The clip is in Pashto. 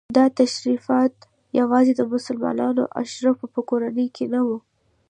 دا تشریفات یوازې د مسلمانو اشرافو په کورنیو کې نه وو.